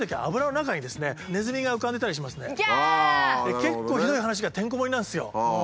結構ひどい話がてんこ盛りなんですよ。